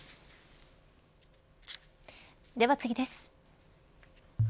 では次です。